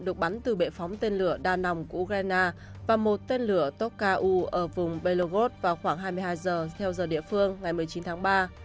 được bắn từ bệ phóng tên lửa đa nòng của ukraine và một tên lửa toka u ở vùng belogrod vào khoảng hai mươi hai h theo giờ địa phương ngày một mươi chín tháng ba